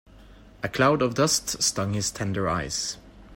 A cloud of dust stung his tender eyes.